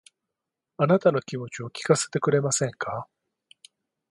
あなたの気持ちを聞かせてくれませんか